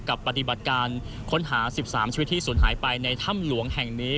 ปฏิบัติการค้นหา๑๓ชีวิตที่สูญหายไปในถ้ำหลวงแห่งนี้